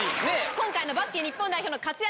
今回バスケ日本代表の活躍